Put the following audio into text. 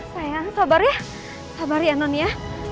sayang sabar ya sabar ya nonny ya